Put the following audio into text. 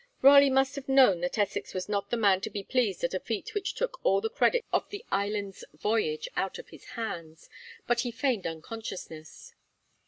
Raleigh must have known that Essex was not the man to be pleased at a feat which took all the credit of the Islands Voyage out of his hands; but he feigned unconsciousness.